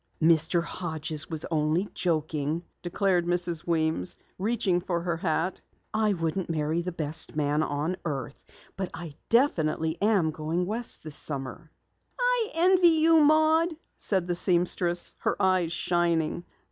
"Mr. Hodges was only joking," declared Mrs. Weems, reaching for her hat. "I wouldn't marry the best man on earth. But I definitely am going west this summer." "I envy you, Maud," said the seamstress, her eyes shining.